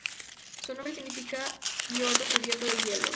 Su nombre significa "fiordo cubierto de hielo".